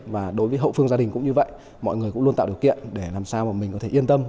và như vậy mọi người cũng luôn tạo điều kiện để làm sao mà mình có thể yên tâm